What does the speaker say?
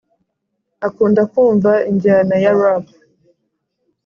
akunda kumva injyana ya rap